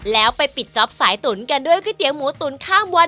แล้วไปปิดจ๊อปสายตุ๋นกันด้วยก๋วยเตี๋ยวหมูตุ๋นข้ามวัน